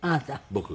僕。